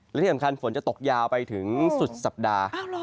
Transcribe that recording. และที่สำคัญฝนจะตกยาวไปถึงสุดสัปดาห์